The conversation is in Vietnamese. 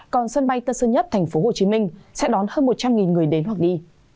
còn sân bay tân sơn nhất tp hcm sẽ đón hơn một trăm linh người đến hoặc đi